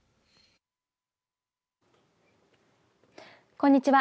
こんにちは。